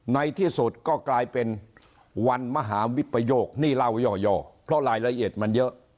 ในที่สุดก็กลายเป็นวันมหาวิปโยคนี่เล่าย่อเพราะรายละเอียดมันเยอะ